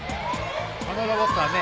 このロボットはね